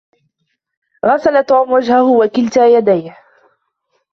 غسل توم وجهه وكلتا يديه.